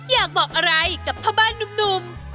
อยากบอกอะไรกับพ่อบ้านหนุ่ม